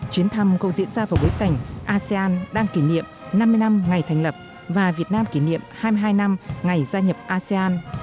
chuyến thăm cũng diễn ra vào bối cảnh asean đang kỷ niệm năm mươi năm ngày thành lập và việt nam kỷ niệm hai mươi hai năm ngày gia nhập asean